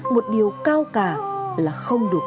một điều cao cả là không được